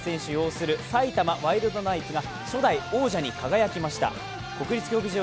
擁する埼玉ワイルドナイツが初代王者に輝きました。